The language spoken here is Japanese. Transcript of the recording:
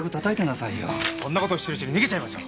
そんな事してるうちに逃げちゃいますよ。